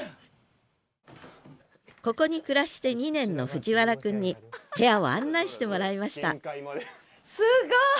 ここに暮らして２年の藤原くんに部屋を案内してもらいましたすごい！